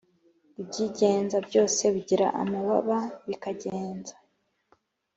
Ibyigenza byose bigira amababa bikagenza